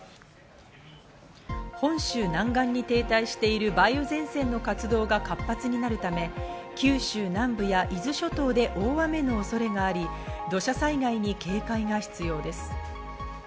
本州南岸に停滞している梅雨前線の活動が活発になるため、九州南部や伊豆諸島で大雨の恐れがあり、土砂災害に警戒が必要です。